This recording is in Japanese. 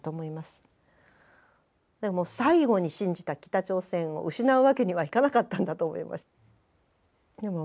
でも最後に信じた北朝鮮を失うわけにはいかなかったんだと思います。